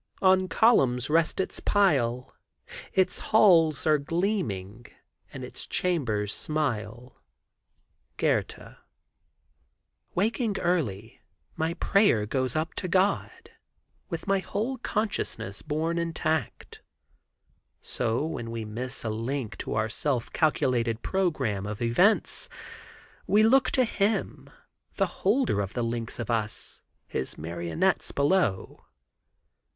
On columns rest its pile; Its halls are gleaming And its chambers smile." —Goethe. Waking early, my prayer goes up to God, with my whole consciousness borne intact. So when we miss a link in our self calculated program of events, we look to Him, the holder of the links of us—his marionettes below.